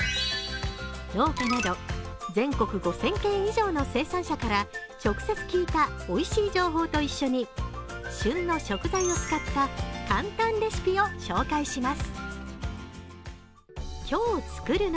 農家など全国５０００軒以上の生産者さんから直接聞いたおいしい情報と一緒に旬の食材を使った簡単レシピを紹介します。